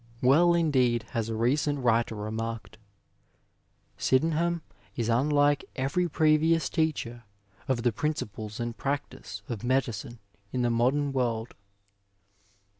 Well indeed has a recent writer remarked, " Sydenham is unlike every previous teacher of the principles and practice of medicine in the modem world."